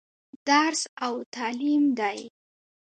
درس او تعليم دى.